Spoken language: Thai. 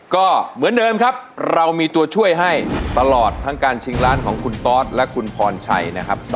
ก็เหมือนเดิมครับเรามีตัวช่วยให้ตลอดทั้งการชิงร้านของคุณตอสและคุณพรชัยนะครับ